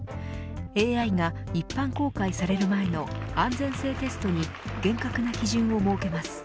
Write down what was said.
ＡＩが一般公開される前の安全性テストに厳格な基準を設けます。